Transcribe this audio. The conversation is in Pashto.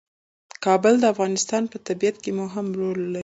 کابل د افغانستان په طبیعت کې مهم رول لري.